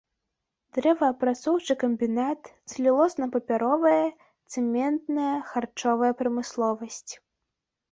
Дрэваапрацоўчы камбінат, цэлюлозна-папяровая, цэментная, харчовая прамысловасць.